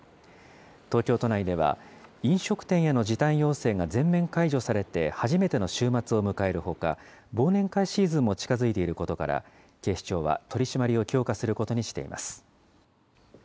東京都内では飲食店への時短要請が全面解除されて初めての週末を迎えるほか、忘年会シーズンも近づいていることから、警視庁は取締りを強化することにしています。